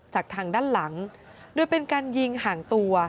จากทางด้านหลังโดยเป็นการยิงห่างตัว